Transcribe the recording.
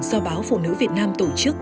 do báo phụ nữ việt nam tổ chức